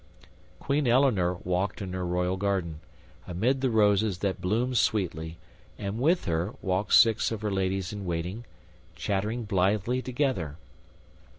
Queen Eleanor walked in her royal garden, amid the roses that bloomed sweetly, and with her walked six of her ladies in waiting, chattering blithely together.